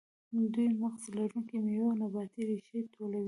دوی مغز لرونکې میوې او نباتي ریښې ټولولې.